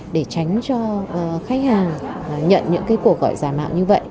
để tránh cho khách hàng nhận những cái cuộc gọi giả mạo như vậy